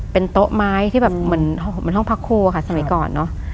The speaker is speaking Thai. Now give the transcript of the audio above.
เป็นโต๊ะไม้ที่เหมือนห้องพักครูสมัยก่อน